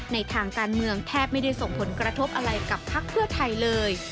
ในทางการเมืองแทบไม่ได้ส่งผลกระทบอะไรกับพักเพื่อไทยเลย